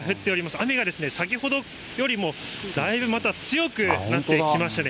雨が先ほどよりもだいぶまた強くなってきましたね。